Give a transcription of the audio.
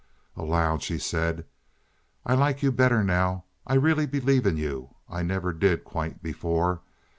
Aloud she said: "I like you better now. I really believe in you. I never did, quite, before.